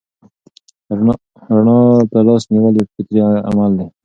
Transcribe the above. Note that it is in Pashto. رڼا ته لاس نیول یو فطري عمل دی.